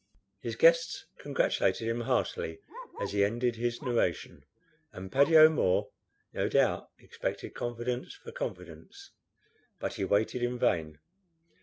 His guests congratulated him heartily as he ended his narration; and Paddy O'Moore no doubt expected confidence for confidence, but he waited in vain.